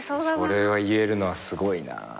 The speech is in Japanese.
それを言えるのはすごいな。